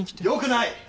よくない！